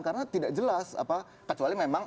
karena tidak jelas kecuali memang